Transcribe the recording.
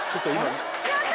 やった！